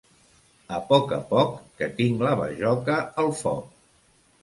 A poc a poc, que tinc la bajoca al foc.